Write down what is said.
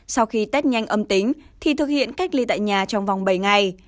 sau khi test nhanh âm tính thì thực hiện cách ly tại nhà trong vòng bảy ngày